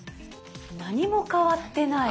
何も変わってない？